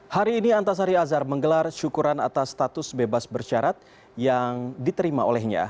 hari ini antasari azhar menggelar syukuran atas status bebas bersyarat yang diterima olehnya